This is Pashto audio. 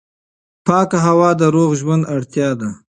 پاکه هوا د روغ ژوند اړتیا ده.